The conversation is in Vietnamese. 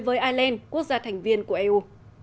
với ireland quốc gia thành viên của eu